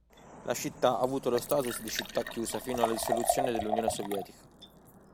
La città ha avuto lo status di città chiusa fino alla dissoluzione dell'Unione Sovietica.